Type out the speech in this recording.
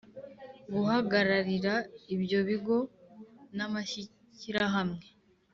Guhagararira ibyo bigo n’amashyirahamwe